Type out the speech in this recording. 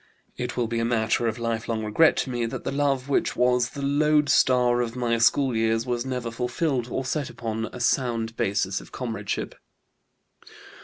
It will be a matter of lifelong regret to me that the love which was the lodestar of my school years was never fulfilled or set upon a sound basis of comradeship.